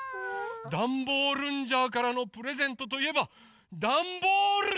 ダンボールンジャーからのプレゼントといえばダンボールジャ！